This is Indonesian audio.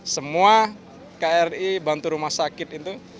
semua kri bantu rumah sakit itu